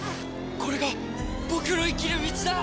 これが僕の生きる道だ！